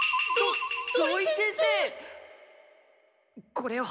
これを。